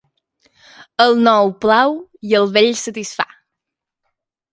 El nou, plau i, el vell, satisfà.